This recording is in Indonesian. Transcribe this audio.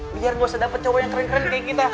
biar gak usah dapat coba yang keren keren kayak kita